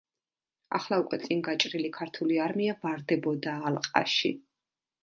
ახლა უკვე წინ გაჭრილი ქართული არმია ვარდებოდა ალყაში.